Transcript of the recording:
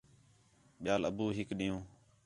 ٻِیال ابو ہِک ݙِین٘ہوں